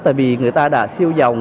tại vì người ta đã siêu giàu